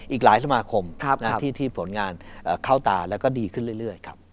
อีกหลายสมาคมที่ผลงานเข้าตาแล้วก็ดีขึ้นเรื่อยครับ